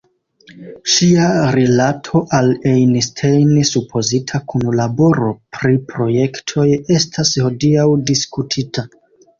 Ŝia rilato al Einstein, supozita kunlaboro pri projektoj estas hodiaŭ diskutita.